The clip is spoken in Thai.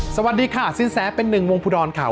สวัสดีค่ะสินแสเป็นหนึ่งวงภูดรค่ะ